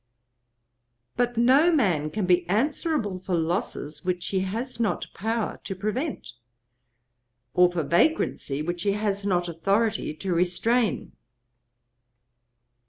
But no man can be answerable for losses which he has not power to prevent, or for vagrancy which he has not authority to restrain.